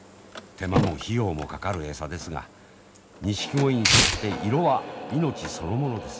手間も費用もかかる餌ですがニシキゴイにとって色は命そのものです。